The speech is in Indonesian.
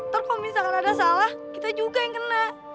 terus kalo misalnya ada salah kita juga yang kena